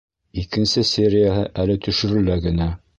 Икенсе серияһы әле төшөрөлә генә